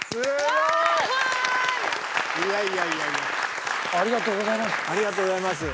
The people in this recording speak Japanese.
ありがとうございます。